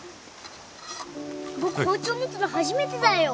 僕包丁持つの初めてだよ。